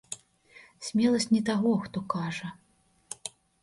Смеласць не таго, хто кажа.